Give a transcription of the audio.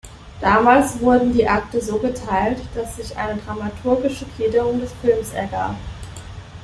Damals wurden die Akte so geteilt, dass sich eine dramaturgische Gliederung des Films ergab.